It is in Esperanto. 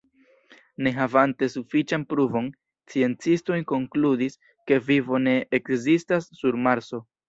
Ne havante sufiĉan pruvon, sciencistoj konkludis, ke vivo ne ekzistas sur Marso.